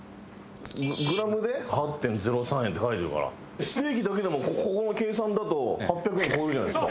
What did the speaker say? グラムで「８．０３円」って書いてるからステーキだけでもこの計算だと８００円超えるじゃないですか。